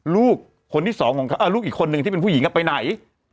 ลูกคนที่สองของเขาลูกอีกคนนึงที่เป็นผู้หญิงไปไหน